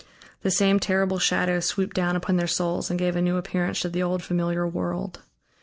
The same terrible shadow swooped down upon their souls and gave a new appearance to the old familiar world.